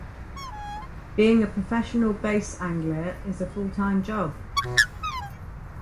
Being a professional bass angler is a full-time job.